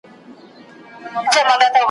یا به وږی له قحطۍ وي یا یې کور وړی باران دی `